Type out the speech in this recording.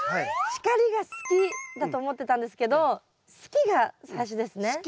「光が好き」だと思ってたんですけど「好き」が最初ですね。